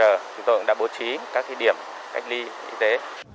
chúng tôi cũng đã bố trí các điểm cách ly y tế